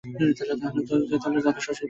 ভান তো যাদব শশীর কাছেও বজায় রাখিয়াছে।